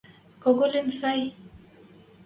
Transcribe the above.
– Кого лин сӓй?